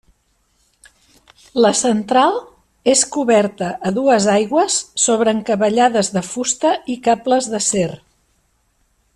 La central és coberta a dues aigües sobre encavallades de fusta i cables d'acer.